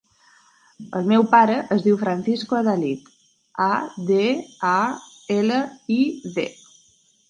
El meu pare es diu Francisco Adalid: a, de, a, ela, i, de.